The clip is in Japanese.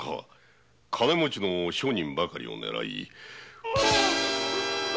金持ちの商人ばかりを狙い。